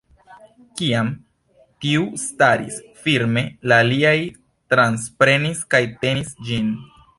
Kiam tiu staris firme, la aliaj transprenis kaj tenis ĝin.